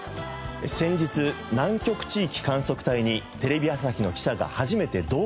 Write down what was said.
先日南極地域観測隊にテレビ朝日の記者が初めて同行取材しました。